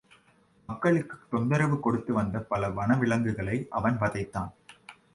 மக்களுக்கு தொந்தரவு கொடுத்து வந்த பல வனவிலங்குகளை அவன் வதைத்தான்.